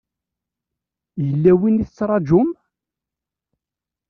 Yella win i tettṛajum?